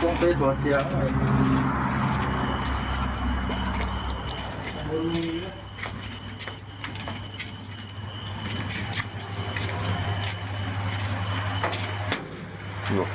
ต้องไปสวดเสียง